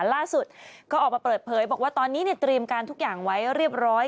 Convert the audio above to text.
ล่าสุดก็ออกมาเปิดเผยบอกว่าตอนนี้เตรียมการทุกอย่างไว้เรียบร้อย